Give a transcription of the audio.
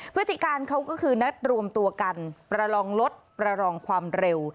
พฤติการเขาก็คือนัดรวมตัวกันประลองรถประลองความเร็ว